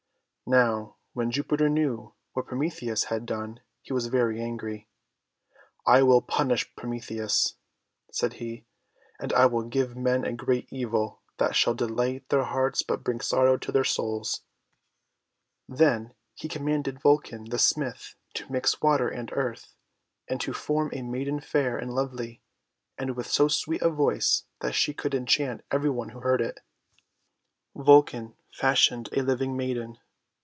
Now when Jupiter knew what Prometheus had done, he was very angry. "I will punish Prometheus," said he, "and I will give men a great evil that shall delight their hearts but bring sorrow to their souls." 288 THE WONDER GARDEN Then he commanded Vulcan the Smith to mix water and earth, and to form a maiden fair and lovely, and with so sweet a voice that she should enchant every one who heard it. Vulcan fashioned a living maiden.